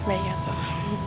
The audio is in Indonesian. ya ya toh